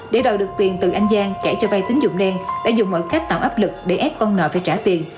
để đòi được tiền từ anh giang kể cho vay tín dụng đen đã dùng mọi cách tạo áp lực để ép con nợ phải trả tiền